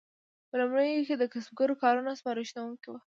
په لومړیو کې د کسبګرو کارونه سپارښتونکي وو.